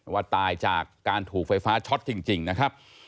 ว่าตายจากการถูกไฟฟ้าช็อตจริงนะครับ